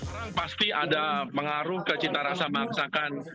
arang pasti ada pengaruh ke cinta rasa masakan